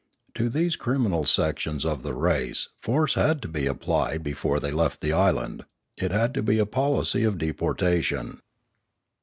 To these criminal sections of the race force had to be applied before they left the island; it had to be a policy of deportation.